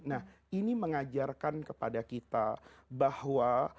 nah ini mengajarkan kepada kita bahwa